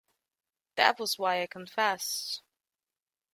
That was why I confessed.